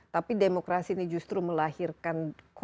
tapi demokrasi ini justru melahirkan